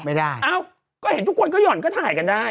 อ้าวก็เห็นทุกคนก็หย่อนก็ถ่ายกันได้